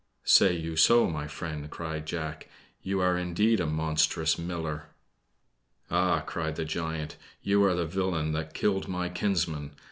"Say you so, my friend," cried Jack. "You are indeed a monstrous miller!" "Ah!" cried the giant; "you are the villain that killed my kinsmen!